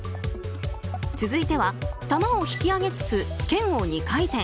続いては、玉を引き上げつつけんを２回転。